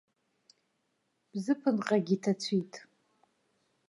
Бзыԥынҟагьы ҭацәит.